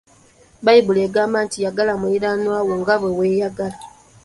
Bbayibuliya egamba nti yagala muliraanwa wo nga bwe weeyagala.